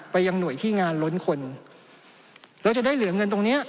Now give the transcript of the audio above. ยังหน่วยที่งานล้นคนแล้วจะได้เหลือเงินตรงเนี้ย